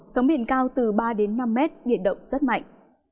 sóng biển cao từ ba đến năm mét biển động rất mạnh